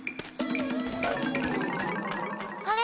あれ？